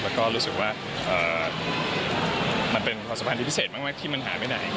แล้วก็รู้สึกว่ามันเป็นความสบายที่พิเศษมากที่มันหาไม่ได้